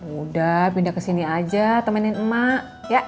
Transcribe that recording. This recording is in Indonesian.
udah pindah kesini aja temenin emak